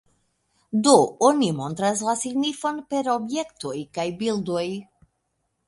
Do: oni montras la signifon per objektoj kaj bildoj.